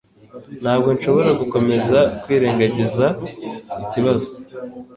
Ntabwo nshobora gukomeza kwirengagiza ikibazo